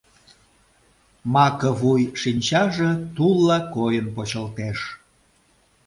Маке вуй шинчаже тулла койын почылтеш.